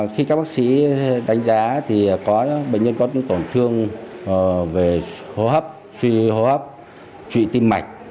khi các bác sĩ đánh giá thì có bệnh nhân có những tổn thương về hô hấp suy hô hấp trụy tim mạch